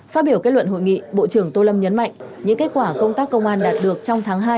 phát biểu kết luận hội nghị bộ trưởng tô lâm nhấn mạnh những kết quả công tác công an đạt được trong tháng hai